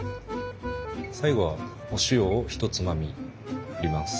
最後はお塩をひとつまみ振ります。